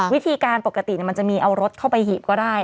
วิธีการปกติมันจะมีเอารถเข้าไปหีบก็ได้